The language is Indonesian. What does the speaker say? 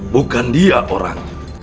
bukan dia orang